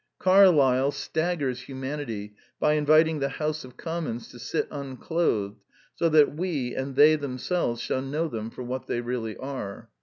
Carlyle staggers humanity by inviting the House of Commons to sit unclothed, so that we, and they themselves, shall know them for what they really are.